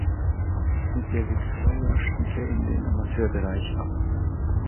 Mit der Viktoria stieg er in den Amateurbereich ab.